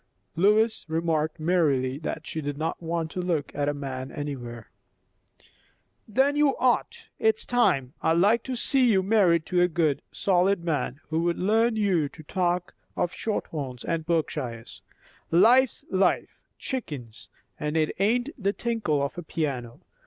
Lois remarked merrily that she did not want to look at a man anywhere. "Then you ought. It's time. I'd like to see you married to a good, solid man, who would learn you to talk of shorthorns and Berkshires. Life's life, chickens; and it ain't the tinkle of a piano.